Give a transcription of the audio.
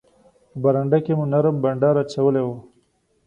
په برنډه کې مو نرم بانډار اچولی وو.